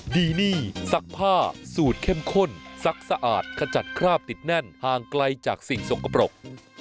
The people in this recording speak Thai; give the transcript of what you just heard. ดีนี่ซักผ้าสูตรเข้มข้นซักสะอาดขจัดคราบติดแน่นห่างไกลจากสิ่งสกปรก